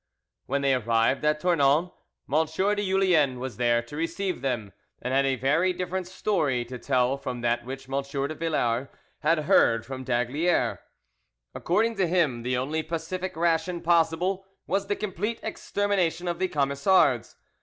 When they arrived at Tournon, M. de Julien was there to receive them, and had a very different story to tell from that which M. de Villars had heard from d'Aygaliers. According to him, the only pacific ration possible was the complete extermination of the Camisards.